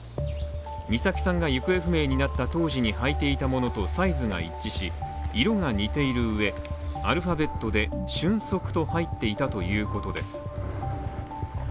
美咲さんが行方不明になった当時に履いていたものとサイズが一致し、色が似ているうえ、アルファベットで「ＳＹＵＮＳＯＫＵ」と入っていたということです